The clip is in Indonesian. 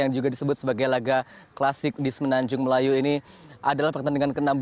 yang juga disebut sebagai laga klasik di semenanjung melayu ini adalah pertandingan ke enam belas